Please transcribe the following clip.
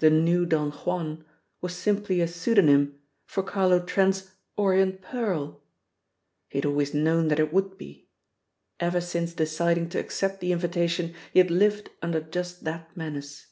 "The New Don Juan" was simply a pseudonym for Carlo Trent's "Orient Pearl"! ... He had always known that it would be. Ever since deciding to accept the invitation he had lived under just that menace.